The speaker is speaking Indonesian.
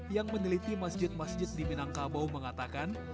yang meneliti masjid masjid di minangkabau mengatakan